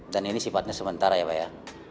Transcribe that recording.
ini sifatnya sementara ya pak ya